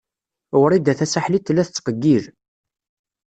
Wrida Tasaḥlit tella tettqeyyil.